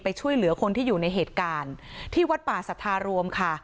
ช่วยเหลือคนที่อยู่ในเหตุการณ์ที่วัดป่าสัทธารวมค่ะ